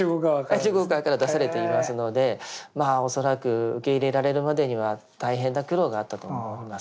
中国側から出されていますのでまあ恐らく受け入れられるまでには大変な苦労があったと思います。